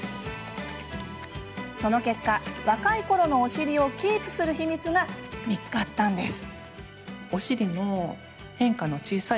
その結果若いころのお尻をキープする秘密が見つかったんです。